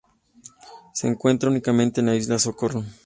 Se encuentra únicamente en la isla Socorro.